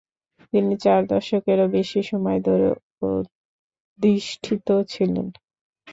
তিনি চার দশকেরও বেশি সময় ধরে অধিষ্ঠিত ছিলেন।